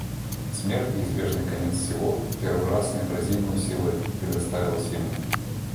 Смерть, неизбежный конец всего, в первый раз с неотразимою силой представилась ему.